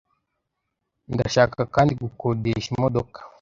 Ndashaka kandi gukodesha imodoka.